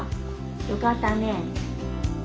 よかったね。